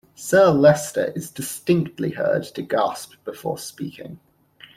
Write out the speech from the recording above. Sir Leicester is distinctly heard to gasp before speaking.